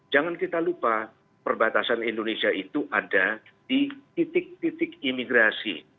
jangan kita lupa perbatasan indonesia itu ada di titik titik imigrasi